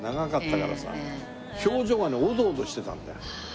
表情がねおどおどしてたんだよ。